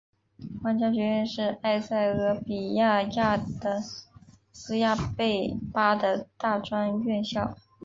皇家学院是埃塞俄比亚亚的斯亚贝巴的大专院校。